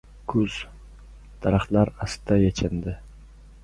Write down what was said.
Kuz. Daraxtlar a-asta yechindi